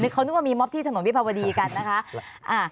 เขานึกว่ามีมอบที่ถนนวิภาวดีกันนะคะ